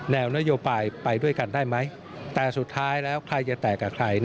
นโยบายไปด้วยกันได้ไหมแต่สุดท้ายแล้วใครจะแตกกับใคร